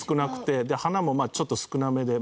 花もまあちょっと少なめで。